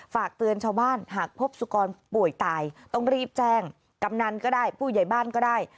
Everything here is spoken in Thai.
ฝากเตือนชาวบ้านหากพบสุกรป่วยตายต้องรีบแจ้งกำนันก็ได้ผู้ใหญ่บ้านก็ได้